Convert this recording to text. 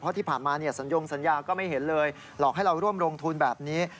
เพราะที่ผ่านมาสัญญงสัญญาก็ไม่เห็นเลยหลอกให้เราร่วมลงทุนแบบนี้